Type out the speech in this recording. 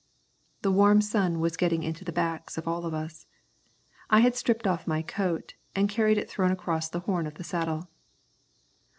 The warm sun was getting into the backs of us all. I had stripped off my coat and carried it thrown across the horn of the saddle.